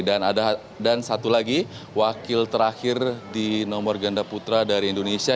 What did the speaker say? dan satu lagi wakil terakhir di nomor ganda putra dari indonesia